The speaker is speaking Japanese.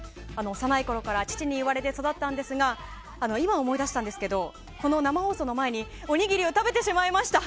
幼いころから父に言われて育ったんですが今、思い出したんですけどこの生放送の前におにぎりを食べてしまいました。